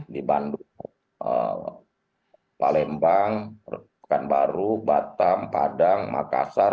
di bandung palembang rukun baru batam padang makassar